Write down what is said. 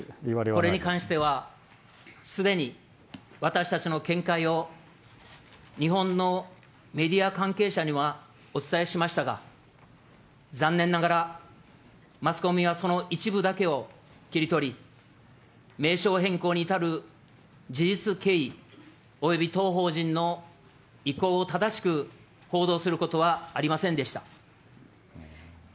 これに関しては、すでに私たちの見解を、日本のメディア関係者にはお伝えしましたが、残念ながらマスコミはその一部だけを切り取り、名称変更に至る事実経緯、および当法人の意向を正しく報道することはありませんでした。